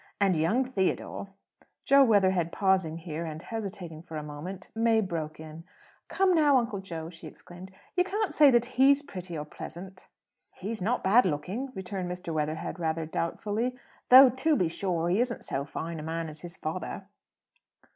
And young Theodore " Jo Weatherhead pausing here, and hesitating for a moment, May broke in, "Come now, Uncle Jo," she exclaimed, "you can't say that he's pretty or pleasant!" "He's not bad looking," returned Mr. Weatherhead, rather doubtfully. "Though, to be sure, he isn't so fine a man as his father."